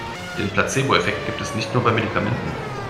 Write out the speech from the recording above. Den Placeboeffekt gibt es nicht nur bei Medikamenten.